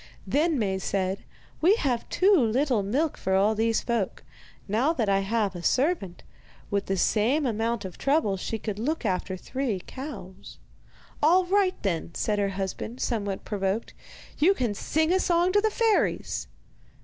Then Maie said: 'We have too little milk for all these folk. Now that I have a servant, with the same amount of trouble she could look after three cows.' 'All right, then,' said her husband, somewhat provoked, 'you can sing a song to the fairies.